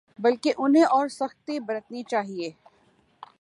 بلکہ انہیں اور سختی برتنی چاہیے۔